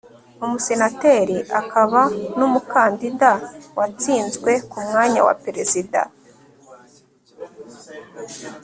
umusenateri akaba n'umukandida watsinzwe ku mwanya wa perezida